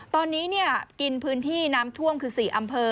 ตอนนี้กินพื้นที่น้ำท่วมคือ๔อำเภอ